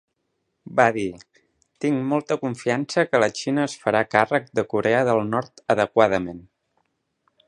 Va dir, tinc molta confiança que la Xina es farà càrrec de Corea del Nord adequadament.